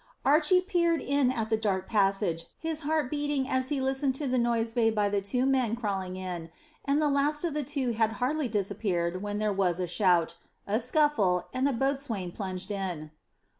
Archy peered in at the dark passage, his heart beating as he listened to the noise made by the two men crawling in, and the last of the two had hardly disappeared when there was a shout, a scuffle, and the boatswain plunged in.